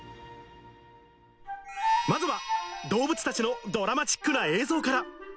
まずは、動物たちのドラマチックな映像から。